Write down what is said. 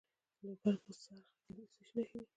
د لوګر په څرخ کې د څه شي نښې دي؟